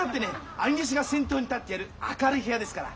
兄弟子が先頭に立ってやる明るい部屋ですから。